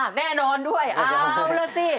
แน่นอนด้วยเอาล่ะสิ